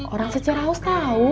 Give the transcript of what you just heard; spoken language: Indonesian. orang seceraus tau